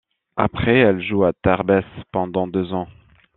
Après, elle joue à Tarbes pendant deux ans.